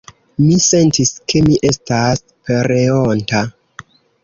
Mi sentis, ke mi estas pereonta.